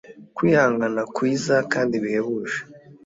Kwihangana kwiza kandi bihebuje